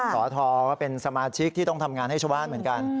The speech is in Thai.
สทก็เป็นสมาชิกที่ต้องทำงานให้ชาวบ้านเหมือนกัน